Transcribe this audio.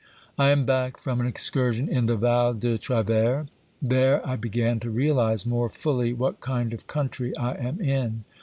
I am back from an excursion in the Val de Travers. There I began to realise more fully what kind of country I am in.